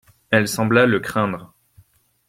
Elle sembla le craindre.